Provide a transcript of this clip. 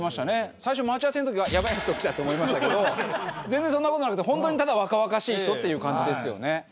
最初待ち合わせの時はやばい人来たって思いましたけど全然そんな事なくて本当にただ若々しい人っていう感じですよね。